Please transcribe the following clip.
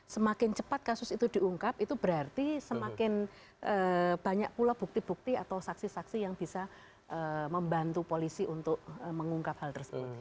semakin cepat kasus itu diungkap itu berarti semakin banyak pula bukti bukti atau saksi saksi yang bisa membantu polisi untuk mengungkap hal tersebut